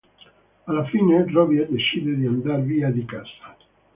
Alla fine Robbie decide di andar via di casa.